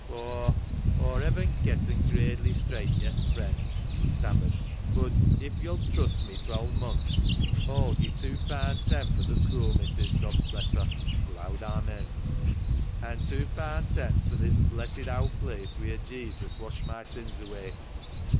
" Aw — aw hevn't getten gradely straight yet, friends," he stammered, " bud if yo'll trust me twelve months Aw'll gee two paand ten fur th' schoo' missis, God bless her "— (loud Amens) —" an' two paand ten fur this blessed owd place wheer Jesus washed my sins away."